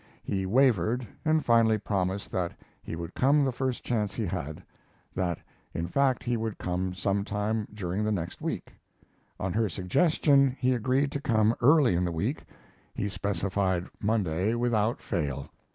He wavered, and finally promised that he would come the first chance he had; that in fact he would come some time during the next week. On her suggestion he agreed to come early in the week; he specified Monday, "without fail."